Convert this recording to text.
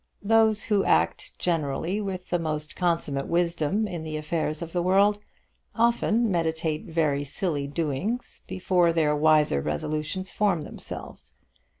Those who act generally with the most consummate wisdom in the affairs of the world, often meditate very silly doings before their wiser resolutions form themselves.